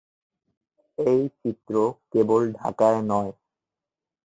এই চিত্র কেবল ঢাকায় নয়।